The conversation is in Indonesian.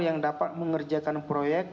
yang dapat mengerjakan proyek